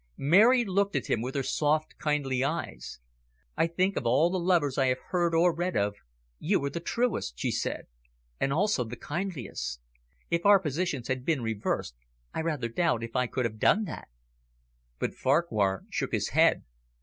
Mary looked at him with her soft, kindly eyes. "I think of all the lovers I have heard or read of, you are the truest," she said, "and also the kindliest. If our positions had been reversed, I rather doubt if I could have done that." But Farquhar shook his head.